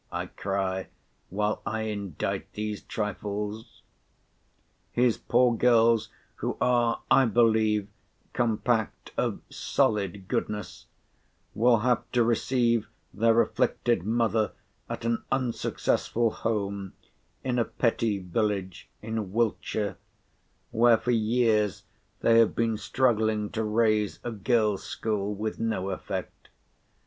I cry, while I endite these trifles. His poor girls who are, I believe, compact of solid goodness, will have to receive their afflicted mother at an unsuccessful home in a petty village in ——shire, where for years they have been struggling to raise a Girls' School with no effect.